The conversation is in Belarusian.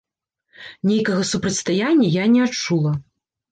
Нейкага супрацьстаяння я не адчула.